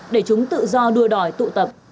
để chúng tự do đua đòi tụ tập